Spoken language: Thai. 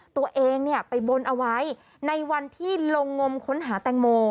ตัวเองไปบนเอาไว้ในวันที่ลงงมค้นหาแตงโม